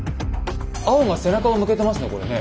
青が背中を向けてますねこれね。